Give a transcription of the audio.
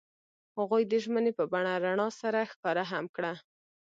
هغوی د ژمنې په بڼه رڼا سره ښکاره هم کړه.